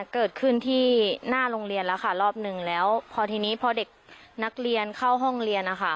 เกิดขึ้นที่หน้าโรงเรียนแล้วค่ะรอบหนึ่งแล้วพอทีนี้พอเด็กนักเรียนเข้าห้องเรียนนะคะ